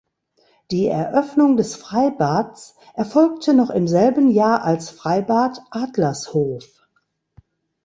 Die Eröffnung des Freibads erfolgte noch im selben Jahr als Freibad Adlershof.